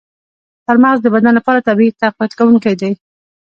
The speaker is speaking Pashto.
چارمغز د بدن لپاره طبیعي تقویت کوونکی دی.